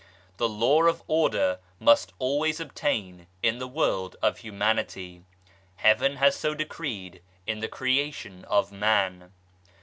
The Law of Order must always obtain in the world of Humanity. Heaven has so decreed in the Creation of Man.